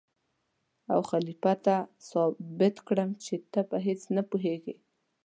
او خلیفه ته ثابت کړم چې ته په هېڅ نه پوهېږې.